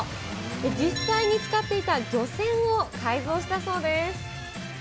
実際に使っていた漁船を改造したそうです。